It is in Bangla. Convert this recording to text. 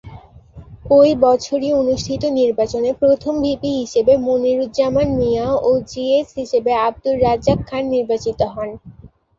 ঐ বছরই অনুষ্ঠিত নির্বাচনে প্রথম ভিপি হিসেবে মনিরুজ্জামান মিয়া ও জিএস হিসেবে আব্দুর রাজ্জাক খান নির্বাচিত হন।